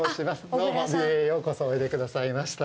どうも、美瑛へようこそおいでくださいました。